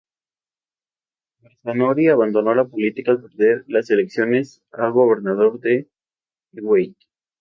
Masanori abandonó la política al perder las elecciones a gobernador de Iwate.